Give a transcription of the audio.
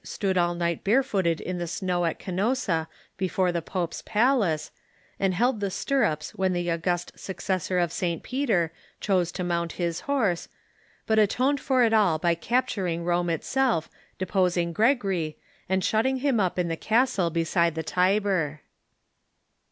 stood all night barefooted in the snow at Canossa before the pope's palace, and held the stirrups when the august successor of St. Peter chose to mount his horse, but atoned for it all by capturing Rome itself, deposing Gregory, and shutting him up in the castle beside the Tiber.